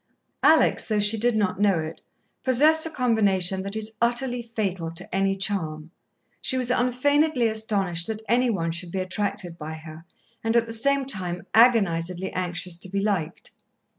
Alex, though she did not know it, possessed a combination that is utterly fatal to any charm: she was unfeignedly astonished that any one should be attracted by her, and at the same time agonizedly anxious to be liked.